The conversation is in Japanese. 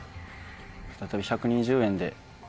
再び１２０円で。